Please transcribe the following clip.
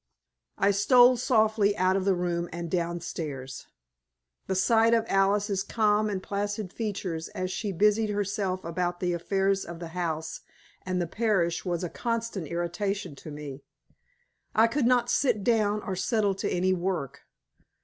I stole softly out of the room and down stairs. The sight of Alice's calm and placid features as she busied herself about the affairs of the house and the parish was a constant irritation to me. I could not sit down or settle to any work.